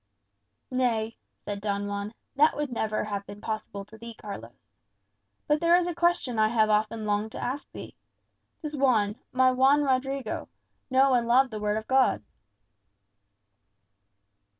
"Nay," said Don Juan, "that would never have been possible to thee, Carlos. But there is a question I have often longed to ask thee. Does Juan, my Juan Rodrigo, know and love the Word of God?"